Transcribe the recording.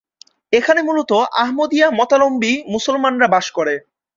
এখানে মূলত আহমদিয়া মতাবলম্বী মুসলমানরা বাস করে।